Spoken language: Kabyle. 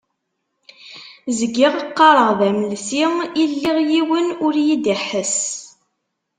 Zgiɣ qqareɣ d amelsi i lliɣ, yiwen ur yi-d-iḥess.